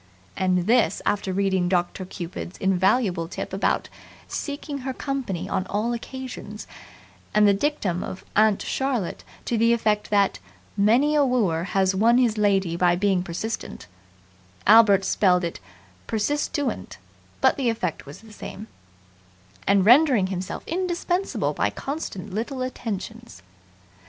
And this after reading "Doctor Cupid's" invaluable tip about "Seeking her company on all occasions" and the dictum of "Aunt Charlotte" to the effect that "Many a wooer has won his lady by being persistent" Albert spelled it "persistuent" but the effect is the same "and rendering himself indispensable by constant little attentions".